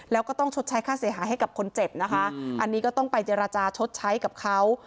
แล้วก็ต้องชดใช้ค่าเสียหายให้กับคนเจ็บนะคะอันนี้ก็ต้องไปเจรจาชดใช้กับเขา